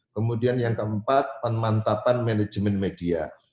kemudian yang keempat pemantapan manajemen media